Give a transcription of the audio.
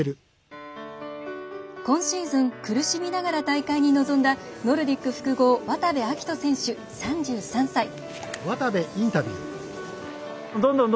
今シーズン苦しみながら大会に臨んだノルディック複合渡部暁斗選手、３３歳。